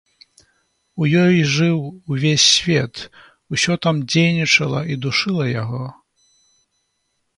У ёй жыў увесь свет, усё там дзейнічала і душыла яго.